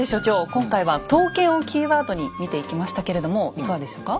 今回は「刀剣」をキーワードに見ていきましたけれどもいかがでしたか？